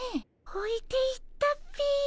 おいていったっピィ。